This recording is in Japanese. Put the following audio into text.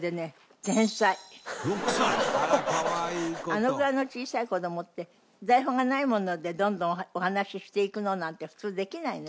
あのぐらいの小さい子どもって台本がないものでどんどんお話ししていくのなんて普通できないのよ。